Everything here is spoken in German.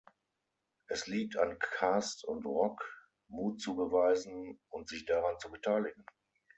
Es liegt an Cast- und Roque, Mut zu beweisen und sich daran zu beteiligen.